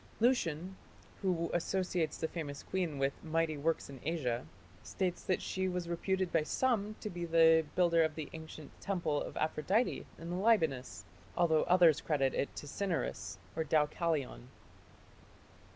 " Lucian, who associates the famous queen with "mighty works in Asia", states that she was reputed by some to be the builder of the ancient temple of Aphrodite in the Libanus, although others credited it to Cinyras, or Deukalion.